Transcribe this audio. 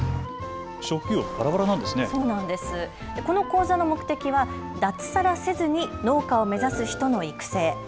この講座の目的は脱サラせずに農家を目指す人の育成。